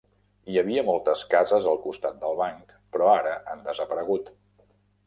Hi havia moltes cases al costat del banc, però ara han desaparegut.